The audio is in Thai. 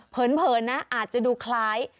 เผินนะอาจจะดูคล้าย